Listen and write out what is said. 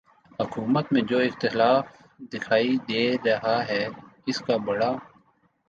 حکومت میں جو اختلاف دکھائی دے رہا ہے اس کا بڑا